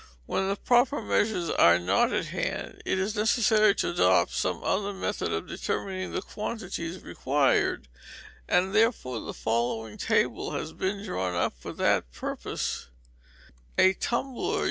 When proper measures are not at hand, it is necessary to adopt some other method of determining the quantities required, and therefore the following table has been drawn up for that purpose: A tumbler